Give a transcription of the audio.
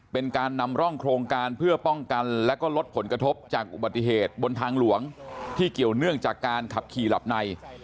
เป็นการนำร่องโครงการเพื่อป้องกันและก็ลดผลกระทบจากอุบัติเหตุบนทางหลวงที่เกี่ยวเนื่องจากการขับขี่หลับใน